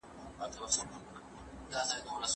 هغوی په خپلو روحونو باندي د حاکمیت لپاره غوښتني کنټرولولې.